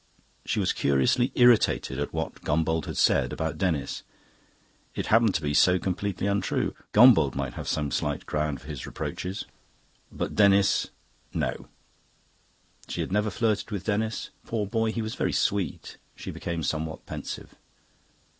She was curiously irritated at what Gombauld had said about Denis. It happened to be so completely untrue. Gombauld might have some slight ground for his reproaches. But Denis no, she had never flirted with Denis. Poor boy! He was very sweet. She became somewhat pensive.